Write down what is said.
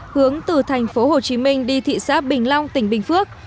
hướng từ thành phố hồ chí minh đi thị xã bình long tỉnh bình phước